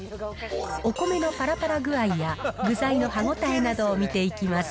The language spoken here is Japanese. お米のぱらぱら具合や具材の歯応えなどを見ていきます。